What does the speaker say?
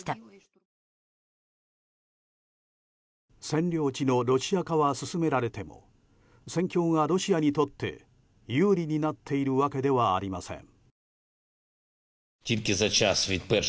占領地のロシア化は進められても戦況が、ロシアにとって有利になっているわけではありません。